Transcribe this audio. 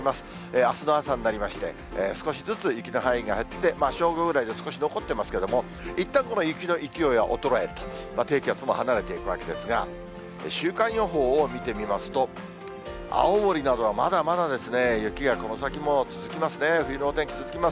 あすの朝になりまして、少しずつ雪の範囲が減って、正午ぐらいで少し残ってますけれども、いったんこの雪の勢いは衰えると、低気圧も離れていくわけですが、週間予報を見てみますと、青森などはまだまだですね、雪がこの先も続きますね、冬のお天気続きます。